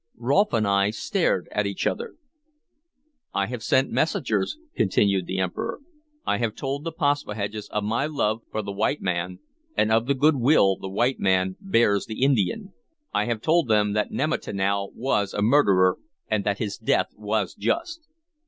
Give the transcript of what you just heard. Rolfe and I stared at each other. "I have sent messengers," continued the Emperor. "I have told the Paspaheghs of my love for the white man, and of the goodwill the white man bears the Indian. I have told them that Nemattanow was a murderer, and that his death was just.